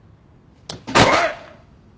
おい！